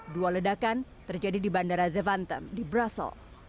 dua ledakan terjadi di bandara zevantem di brussel